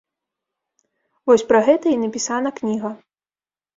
Вось пра гэта і напісана кніга.